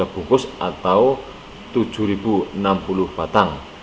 tiga ratus lima puluh tiga bungkus atau tujuh enam puluh batang